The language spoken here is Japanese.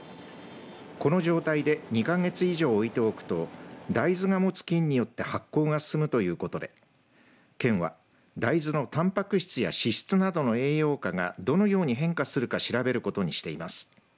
この状態で２か月以上置いておくと大豆が持つ菌によって発酵が進むということで県は、大豆のたんぱく質や脂質などの栄養価がどのように変化するか調べることにしています。